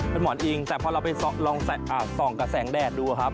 เป็นหมอนอิงแต่พอเราไปลองส่องกับแสงแดดดูครับ